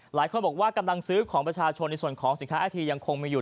หลายคนบอกว่ากำลังซื้อของประชาชนในส่วนของสินค้าอาทียังคงมีอยู่